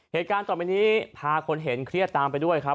เหตุการณ์ต่อไปนี้พาคนเห็นเครียดตามไปด้วยครับ